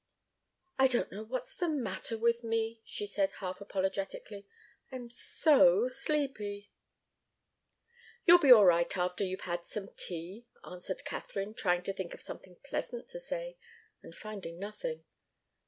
"I don't know what's the matter with me," she said, half apologetically. "I'm so sleepy." "You'll be all right after you've had some tea," answered Katharine, trying to think of something pleasant to say, and finding nothing.